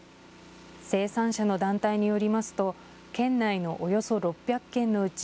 生産者の団体によりますと県内のおよそ６００軒のうち